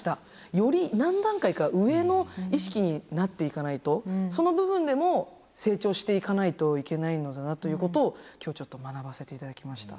より何段階か上の意識になっていかないとその部分でも成長していかないといけないのだなということを今日ちょっと学ばせて頂きました。